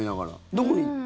どこに？